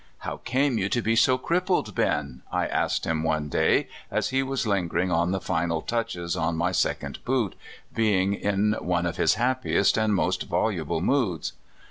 *' How came you to be so crippled, Ben?" I asked him one day as he was lingering on the final touches on my second boot, being in one of his happiest and most voluble moods.